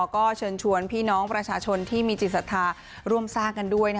ก็เชิญชวนพี่น้องประชาชนที่มีจิตศรัทธาร่วมสร้างกันด้วย